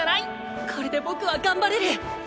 これで僕は頑張れる！